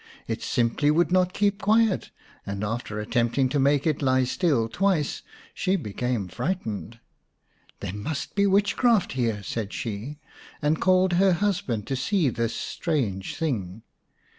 It simply would not keep quiet, and after attempting to make it lie still twice, she became frightened. " There must be witchcraft here," said she, and called her husband to see this strange thing.